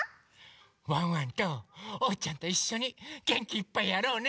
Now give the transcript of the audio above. ワンワンとおうちゃんといっしょにげんきいっぱいやろうね。